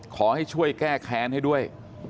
ขอให้ช่วยแก้แค้นให้ด้วย